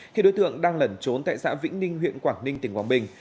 khi đối tượng đang lẩn trốn tại xã vĩnh ninh huyện quảng ninh tỉnh quảng bình